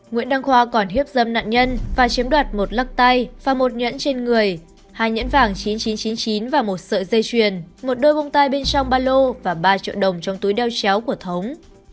nguyễn đăng khoa còn hiếp dâm nạn nhân và chiếm đoạt một lắc tay và một nhẫn trên người hai nhẫn vàng chín nghìn chín trăm chín mươi chín và một sợi dây chuyền một đôi bông tai bên trong ba lô và ba triệu đồng trong túi đeo chéo của thống